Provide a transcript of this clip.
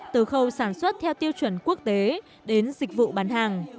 từ khâu sản xuất theo tiêu chuẩn quốc tế đến dịch vụ bán hàng